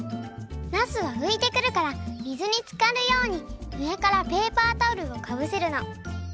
なすはういてくるからみずにつかるようにうえからペーパータオルをかぶせるの。